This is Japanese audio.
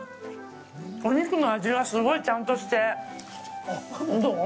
お肉の味がすごいちゃんとしてどう？